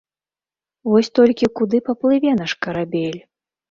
Вось толькі куды паплыве наш карабель?